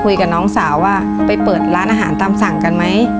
คุยกับน้องสาวว่าไปเปิดร้านอาหารตามสั่งกันไหม